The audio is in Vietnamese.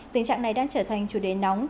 tình trạng này đang trở thành chủ đề nóng